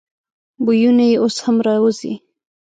بویونه یې اوس هم راوزي.